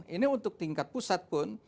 ini untuk tingkat pusat pun